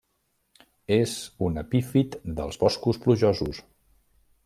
És un epífit dels boscos plujosos.